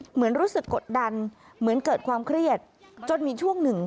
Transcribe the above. เหมือนรู้สึกกดดันเหมือนเกิดความเครียดจนมีช่วงหนึ่ง